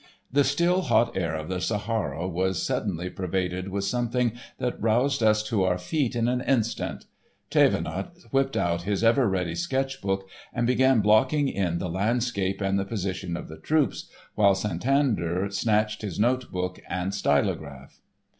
The still, hot air of the Sahara was suddenly pervaded with something that roused us to our feet in an instant. Thévenot whipped out his ever ready sketch book and began blocking in the landscape and the position of the troops, while Santander snatched his note book and stylograph.